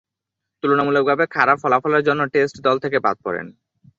তুলনামূলকভাবে খারাপ ফলাফলের জন্য টেস্ট দল থেকে বাদ পড়েন।